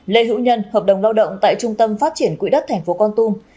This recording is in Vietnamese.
lê hữu nhân hợp đồng lao động tại trung tâm phát triển quỹ đất thành phố con tum